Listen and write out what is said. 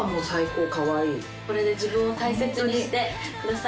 これで自分を大切にしてください。